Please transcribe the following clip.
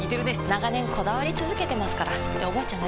長年こだわり続けてますからっておばあちゃん